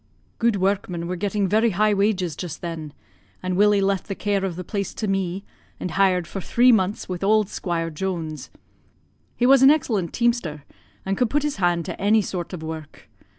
"Good workmen were getting very high wages just then, and Willie left the care of the place to me, and hired for three months with auld Squire Jones. He was an excellent teamster, and could put his hand to any sort of work.